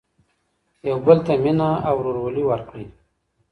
يو بل ته مينه او ورورولي ورکړئ.